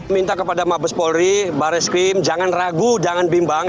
minta kepada mabes polri barreskrim jangan ragu jangan bimbang